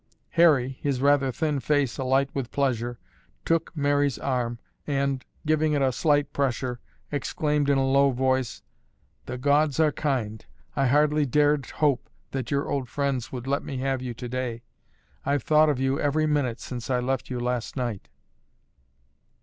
Harry, his rather thin face alight with pleasure, took Mary's arm and, giving it a slight pressure, exclaimed in a low voice, "The gods are kind! I hardly dared hope that your old friends would let me have you today. I've thought of you every minute since I left you last night."